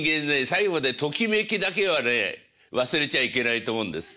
最後までときめきだけはね忘れちゃいけないと思うんです。